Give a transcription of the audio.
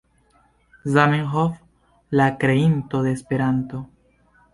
Zamenhof, la kreinto de Esperanto.